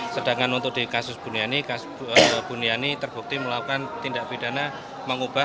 sedangkan untuk di kasus buniani buniani terbukti melakukan tindak pidana mengubah